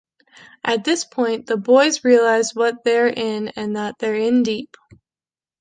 At this point, the boys realize what they're in and that they're in deep.